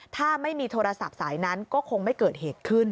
ถ้าไม่มีโทรศัพท์สายนั้นก็คงไม่เกิดเหตุขึ้น